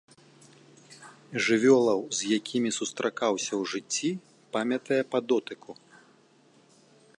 Жывёлаў, з якімі сустракаўся ў жыцці, памятае па дотыку.